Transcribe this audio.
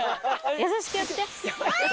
優しくやって。